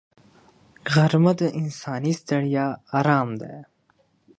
غرمه د انساني ستړیا آرام دی